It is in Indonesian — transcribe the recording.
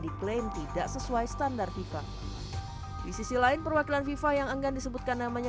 diklaim tidak sesuai standar fifa di sisi lain perwakilan fifa yang enggan disebutkan namanya